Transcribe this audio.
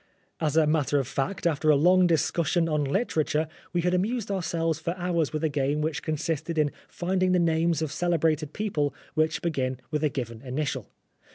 As a matter of fact, after a long discus sion on literature, we had amused ourselves 245 Oscar Wilde for hours with a game which consisted in finding the names of celebrated people which begin with a given initial.